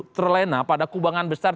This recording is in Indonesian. terlena pada kubangan besar